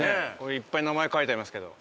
いっぱい名前書いてありますけど。